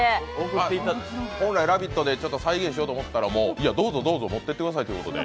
本来「ラヴィット！」で再現しようと思ったらどうぞ持っていってくださいということで。